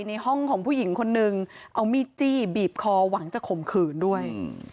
ในห้องของผู้หญิงคนนึงเอามีดจี้บีบคอหวังจะข่มขืนด้วย